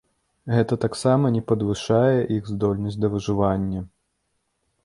Гэта таксама не падвышае іх здольнасць да выжывання.